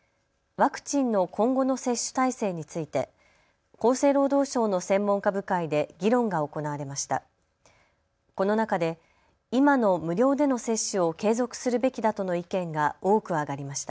ワクチンの今後の接種体制について厚生労働省の専門家部会で議論が行われました。